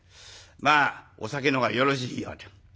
まあお酒の方がよろしいようで。